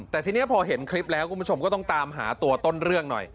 แต่ทีนี้พอเห็นคลิปแล้วคุณผู้ชมก็ต้องตามหาตัวต้นเรื่องหน่อย